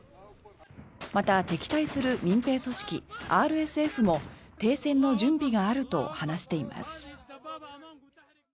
また、敵対する民兵組織ＲＳＦも停戦の準備があると話しています。